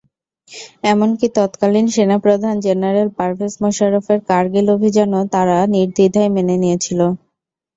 এমনকি তৎকালীন সেনাপ্রধান জেনারেল পারভেজ মোশাররফের কারগিল অভিযানও তারা নির্দ্বিধায় মেনে নিয়েছিল।